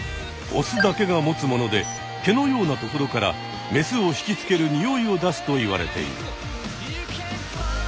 オスだけが持つもので毛のような所からメスを引きつけるにおいを出すといわれている。